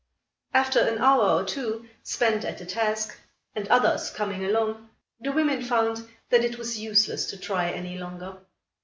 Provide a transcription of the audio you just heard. After an hour or two spent at the task, and others coming along, the women found that it was useless to try any longer.